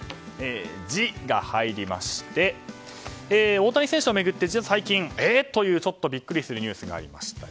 「ジ」が入りまして大谷選手を巡って最近えー！というちょっとびっくりするニュースがありました。